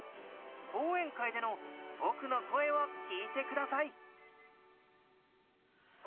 講演会での僕の声を聞いてください。